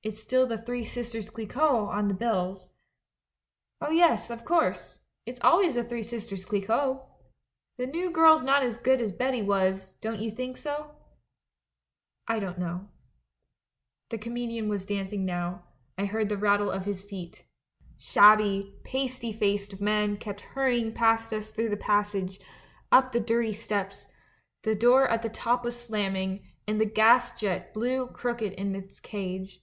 ... It's still "The Three Sisters Clic quot" on the bills.' " 'Oh, yes, of course — it's always "The Three Sisters Clicquot." ... The new girl's not as good as Betty was — do you think so?' " 'I don't know.' "The comedian was dancing now — I heard the Tattle of his feet. Shabby, pasty faced men kept hurrying past us through the passage, up the dir ty steps; the door at the top was slamming, and the gas jet blew crooked in its cage.